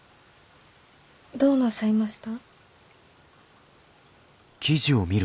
どうなさいました？